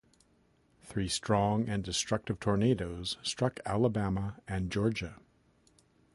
Three strong and destructive tornadoes struck Alabama and Georgia.